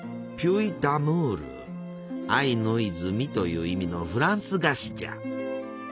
「愛の泉」という意味のフランス菓子じゃ。